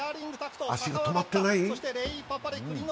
足が止まってない？ん？